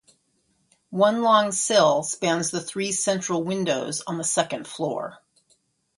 One long sill spans the three central windows on the second floor.